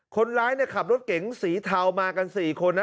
คนร้ายขับรถเก๋งสีเทามากัน๔คนนะ